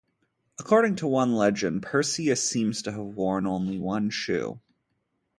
According to one legend, Perseus seems to have worn only one shoe.